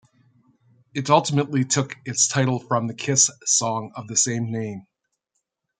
It ultimately took its title from the Kiss song of the same name.